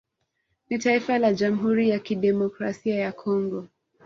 Ni taifa la Jamhuri ya Kidemokrasia ya Congo